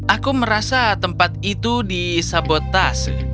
aku merasa tempat itu disabotas